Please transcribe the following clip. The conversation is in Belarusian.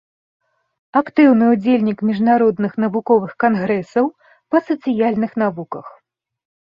Актыўны ўдзельнік міжнародных навуковых кангрэсаў па сацыяльных навуках.